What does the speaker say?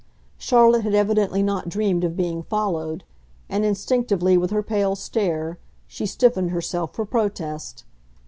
Charlotte had evidently not dreamed of being followed, and instinctively, with her pale stare, she stiffened herself for protest.